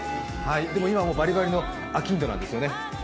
でも今、バリバリのあきんどなんですよね？